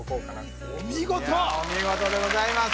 いやお見事でございます